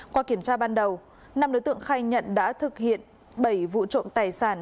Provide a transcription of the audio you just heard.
qua kiểm tra ban đầu năm đối tượng khai nhận đã thực hiện bảy vụ trộm tài sản